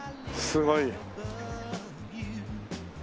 すごい。